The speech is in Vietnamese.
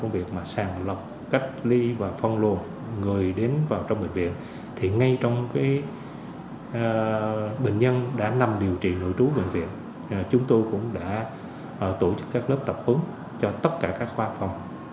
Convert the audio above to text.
bệnh viện cũng đã tổ chức các lớp tập hướng cho tất cả các khoa phòng